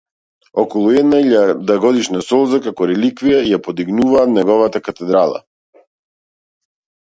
Околу една илјадагодишна солза, како реликвија, ја подигнуваат неговата катедрала.